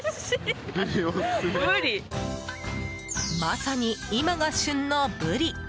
まさに今が旬のブリ。